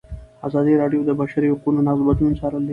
ازادي راډیو د د بشري حقونو نقض بدلونونه څارلي.